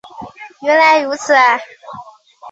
原来如此啊